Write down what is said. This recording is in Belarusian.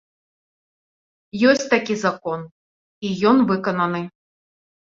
Ёсць такі закон, і ён выкананы.